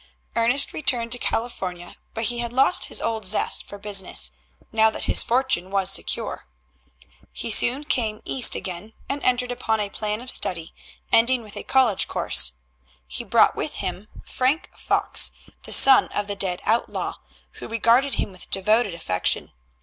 Ernest returned to California, but he had lost his old zest for business, now that his fortune was secure. He soon came East again, and entered upon a plan of study, ending with a college course. He brought with him Frank Fox, the son of the dead outlaw, who regarded him with devoted affection.